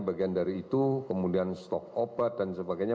bagian dari itu kemudian stok obat dan sebagainya